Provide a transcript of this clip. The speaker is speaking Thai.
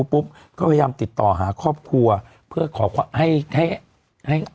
ปุ๊บก็พยายามติดต่อหาครอบครัวเพื่อขอให้ให้ให้